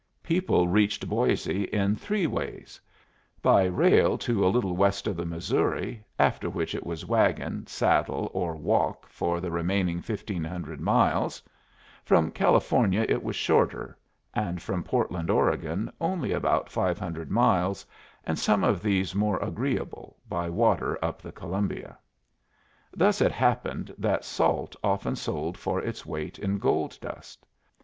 People reached Boisé in three ways: by rail to a little west of the Missouri, after which it was wagon, saddle, or walk for the remaining fifteen hundred miles; from California it was shorter; and from Portland, Oregon, only about five hundred miles, and some of these more agreeable, by water up the Columbia. Thus it happened that salt often sold for its weight in gold dust.